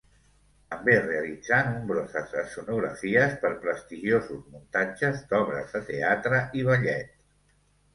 També realitzà nombroses escenografies per prestigiosos muntatges d'obres de teatre i ballet.